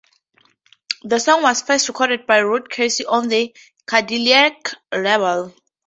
The song was first recorded by Ruth Casey on the Cadillac label.